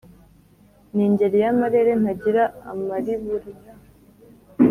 Ni ingeri y'amarere Ntagira amariburira,